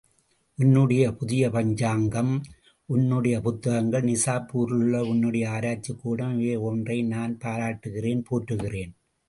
உன்னுடைய புதிய பஞ்சாங்கம், உன்னுடைய புத்தகங்கள், நிசாப்பூரிலேயுள்ள உன்னுடைய ஆராய்ச்சிக்கூடம் இவை ஒவ்வொன்றையும் நான் பாராட்டுகிறேன், போற்றுகிறேன்.